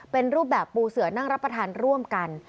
เป็นรูปแบบปูเสือนั่งรับประทานร่วมกัน